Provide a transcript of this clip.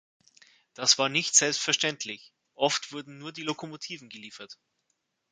Das war nicht selbstverständlich, oft wurden nur die Lokomotiven geliefert.